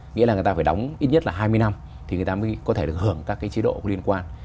nghĩa là người ta phải đóng ít nhất là hai mươi năm thì người ta mới có thể được hưởng các cái chế độ liên quan